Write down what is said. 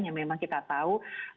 yang memang kita tahu